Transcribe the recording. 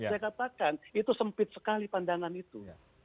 saya katakan itu sempit sekali pandangan itu